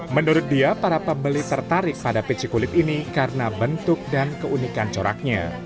menurut dia para pembeli tertarik pada peci kulit ini karena bentuk dan keunikan coraknya